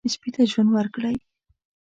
سپي ته ژوند ورکړئ.